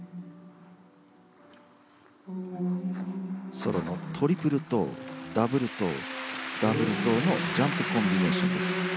ソロのトリプルトウダブルトウダブルトウのジャンプコンビネーションです。